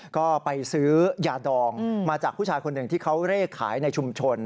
ก็ไปซื้อยาดองมาจากผู้ชายคนหนึ่งที่เขาเร่ขายในชุมชน